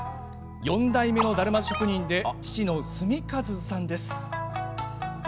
４代目のだるま職人で父の純一さんです。